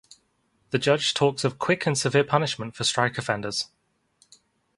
The judge talks of quick and severe punishment for strike offenders.